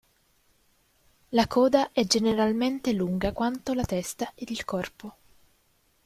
La coda è generalmente lunga quanto la testa ed il corpo.